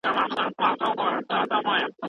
نن له سیوري سره ځمه خپل ګامونه ښخومه